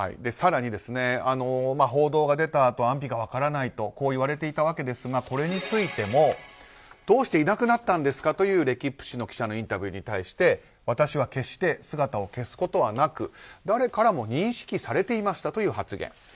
更に、報道が出たあと安否が分からないとこう言われていたわけですがこれについてもどうしていなくなったんですかというレキップ紙の記者のインタビューに対して私は決して姿を消すことはなく誰からも認識されていましたという発言。